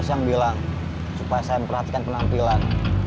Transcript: terus yang bilang supaya saya memperhatikan penampilan